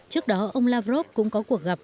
trước đó ông lavrov cũng có cuộc gặp